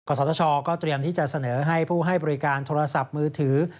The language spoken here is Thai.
สตชก็เตรียมที่จะเสนอให้ผู้ให้บริการโทรศัพท์มือถือ